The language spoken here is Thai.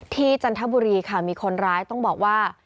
จันทบุรีค่ะมีคนร้ายต้องบอกว่า